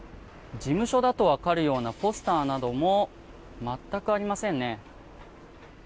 事務所だと分かるようなポスターなども全くありません。